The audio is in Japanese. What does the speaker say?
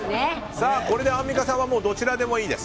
これでアンミカさんはもう、どちらでもいいです。